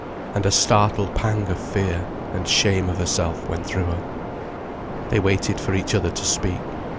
And a startled pang of fear, and shame of herself went through her. They waited for each other to speak.